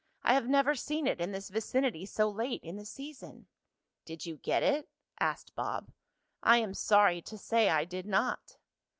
I have never seen it in this vicinity so late in the season." "Did you get it?" asked Bob. "I am sorry to say I did not."